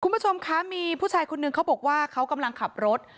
คุณผู้ชมคะมีผู้ชายคนนึงเขาบอกว่าเขากำลังขับรถ